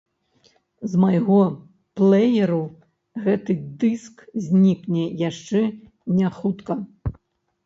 З майго плэеру гэты дыск знікне яшчэ не хутка.